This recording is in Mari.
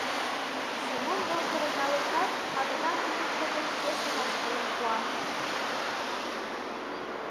— Семон воштырым налешат, агытаным тупшо гыч чеслынак шелын пуа.